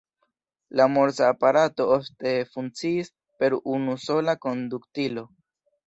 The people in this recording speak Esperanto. La Morsa-aparato ofte funkciis per unusola konduktilo.